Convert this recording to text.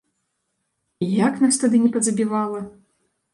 І як нас тады не пазабівала?